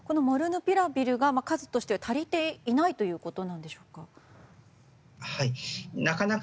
モルヌピラビルが数として足りていないということでしょうか。